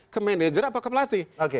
ke manajer apa ke pelatih